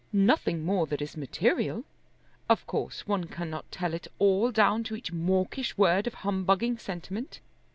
"Nothing more that is material. Of course one cannot tell it all down to each mawkish word of humbugging sentiment.